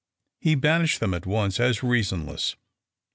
He banished them at once as reasonless.